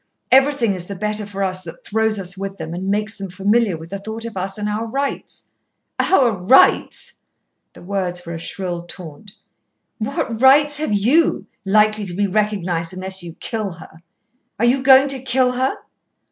Everything is the better for us that throws us with them, and makes them familiar with the thought of us and our rights." "Our rights," the words were a shrill taunt. "What rights have you, likely to be recognised, unless you kill her. Are you going to kill her?"